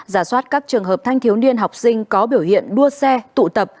giả soát các trường hợp thanh thiếu niên học sinh có biểu hiện đua xe tụ tập